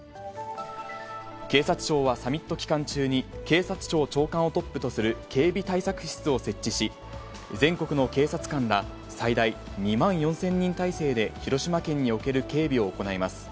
警察庁はサミット期間中に、警察庁長官をトップとする警備対策室を設置し、全国の警察官ら最大２万４０００人態勢で広島県における警備を行います。